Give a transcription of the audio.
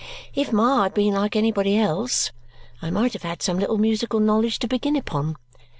If Ma had been like anybody else, I might have had some little musical knowledge to begin upon.